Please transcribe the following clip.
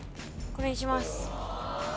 これにします